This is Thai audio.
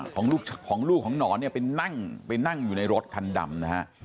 ของลูกของลูกของหนอนเนี่ยไปนั่งไปนั่งอยู่ในรถคันดำนะฮะ